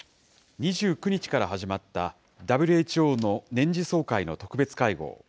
２９日から始まった、ＷＨＯの年次総会の特別会合。